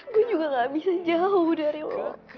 gue juga gak bisa jauh dari allah